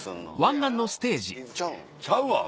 ちゃうわ！